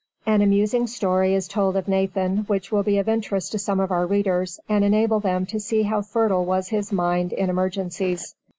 An amusing story is told of Nathan which will be of interest to some of our readers, and enable them to see how fertile was his mind in emergencies.